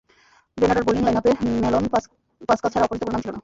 গ্রেনাডার bowling লাইনআপে Nelon Pascal ছাড়া পরিচিত কোনো নাম ছিল না।